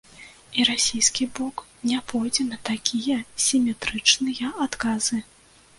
І расійскі бок не пойдзе на такія сіметрычныя адказы.